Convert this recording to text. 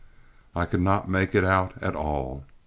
I could not make it out at all.